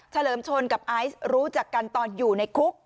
เลิมชนกับไอซ์รู้จักกันตอนอยู่ในคุก